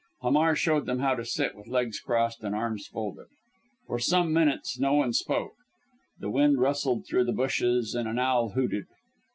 Hamar showed them how to sit with legs crossed and arms folded. For some minutes no one spoke. The wind rustled through the bushes and an owl hooted.